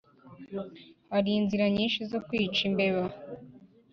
hari inzira nyinshi zo kwica imbeba